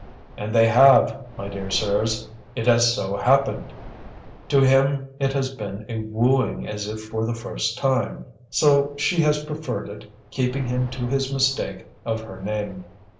And they HAVE, my dear sirs! It has so happened. To him it has been a wooing as if for the first time; so she has preferred it, keeping him to his mistake of her name.